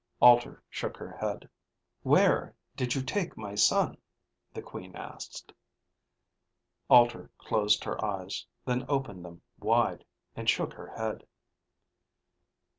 Alter shook her head. "Where did you take my son?" the Queen asked. Alter closed her eyes, then opened them wide and shook her head.